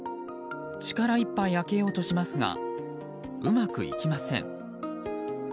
力いっぱい開けようとしますがうまくいきません。